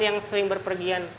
yang sering berpergian